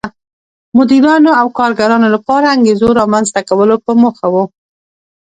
مدیرانو او کارګرانو لپاره انګېزو رامنځته کولو په موخه و.